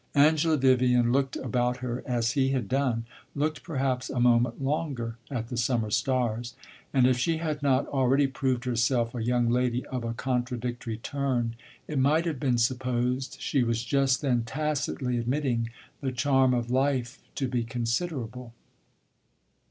Angela Vivian looked about her as he had done looked perhaps a moment longer at the summer stars; and if she had not already proved herself a young lady of a contradictory turn, it might have been supposed she was just then tacitly admitting the charm of life to be considerable.